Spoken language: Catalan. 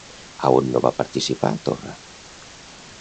A on no va participar Torra?